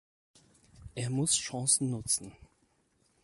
Er muss Chancen nutzen.